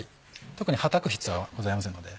特にはたく必要はございませんので。